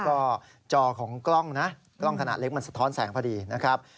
ก็จอของกล้องนะกล้องขนาดเล็กมันสะท้อนแสงพอดีนะครับ